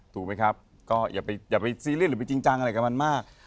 ถูกไหมครับก็อย่าไปซีเรียสหรือไปจริงจังอะไรกับมันมาก